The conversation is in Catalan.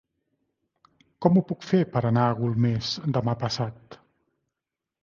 Com ho puc fer per anar a Golmés demà passat?